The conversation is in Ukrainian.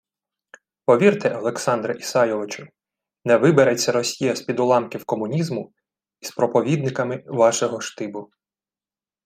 Повірте, Олександре Ісайовичу, не вибереться Росія «з-під уламків комунізму» із проповідниками вашого штибу